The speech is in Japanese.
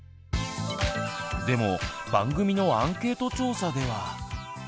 でも番組のアンケート調査では。